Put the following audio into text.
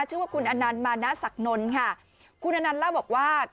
ชื่อว่าคุณอนันต์มานะศักนลค่ะคุณอนันต์เล่าบอกว่า